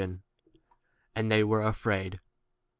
And they were 86 afraid.